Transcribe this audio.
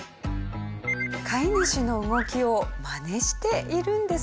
飼い主の動きをマネしているんですね。